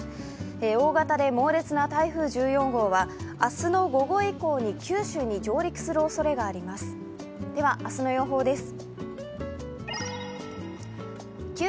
大型で猛烈な台風１４号は明日の午後以降に九州に上陸するおそれがあります。